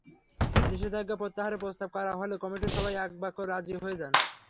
নিষেধাজ্ঞা প্রত্যাহারের প্রস্তাব করা হলে কমিটির সবাই একবাক্যে রাজি হয়ে যান।